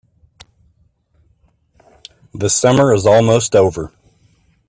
The summer is almost over.